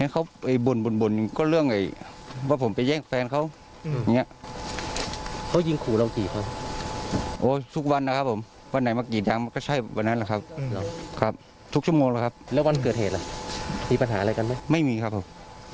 แต่นี่เป็นคำกล่าวอ้างของผู้ต้องหานะครับ